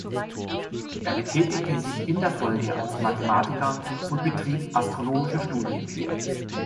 Er betätigte sich in der Folge als Mathematiker und betrieb astronomische Studien.